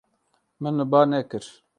Min li ba nekir.